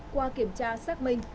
qua kiểm tra xác minh